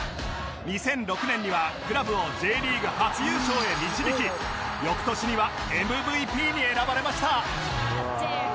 ２００６年にはクラブを Ｊ リーグ初優勝へ導き翌年には ＭＶＰ に選ばれました